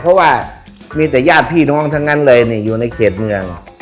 เพราะว่ามีแต่ญาติพี่น้องทั้งนั้นเลยอยู่ในเขตเมือง